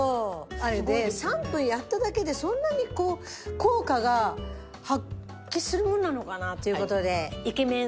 あれで３分やっただけでそんなにこう効果が発揮するものなのかなという事でイケメン